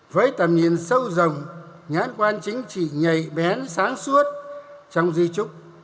với tầm nhìn sâu rộng nhãn quan chính trị nhạy bén sáng suốt trong di trúc